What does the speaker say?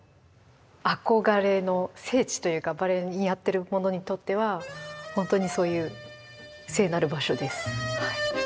憧れの聖地というかバレエやってる者にとっては本当にそういう聖なる場所です。